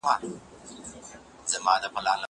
زه د کتابتون د کار مرسته کړې ده.